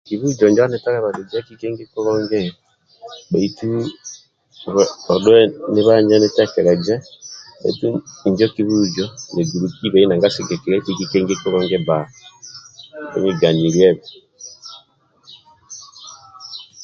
Kibuzo injo anitalabanizia kikengi kulungi bhaitu odhue nibanje nitekeleze bhaitu injo kibuzo nigulukia kikengi kulungi bhuniganyilie